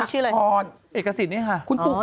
เอกสิตนี่ค่ะอ๋อเอกสิตเลยคุณปูเกะ